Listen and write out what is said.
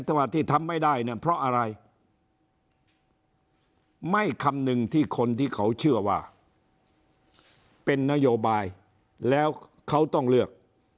ถ้าว่าที่ทำไม่ได้เนี่ยเพราะอะไรไม่คำนึงที่คนที่เขาเชื่อว่าเป็นนโยบายแล้วเขาต้องเลือก